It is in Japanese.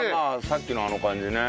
さっきのあの感じね。